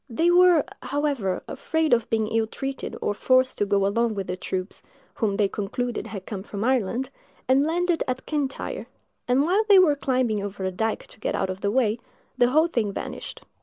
They were, however, afraid of being ill treated, or forced to go along with the troops, whom they concluded had come from Ireland, and landed at Kyntyre; and while they were climbing over a dike to get out of their way, the whole thing vanished.